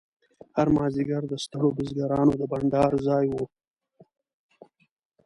هر مازیګر د ستړو بزګرانو د بنډار ځای و.